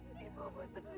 ampuni dosa anakku